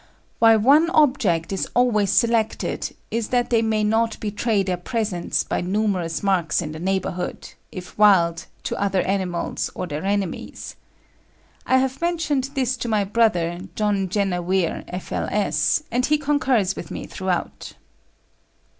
Why one object is always selected is that they may not betray their presence by numerous marks in the neighbourhood, if wild, to other animals or their enemies. I have mentioned this to my brother, John Jenner Weir, F.L.S., and he concurs with me throughout.